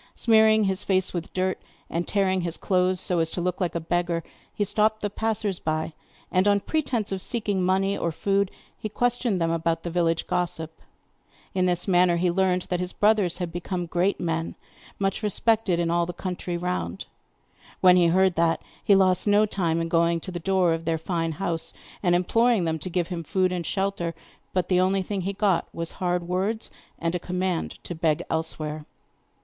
Smearing his face with dirt, and tearing his clothes so as to look like a beggar, he stopped the passers by and, on pretence of seeking money or food, he questioned them about the village gossip. In this manner he learned that his brothers had become great men, much respected in all the country round. When he heard that, he lost no time in going to the door of their fine house and imploring them to give him food and shelter; but the only thing he got was hard words, and a command to beg elsewhere.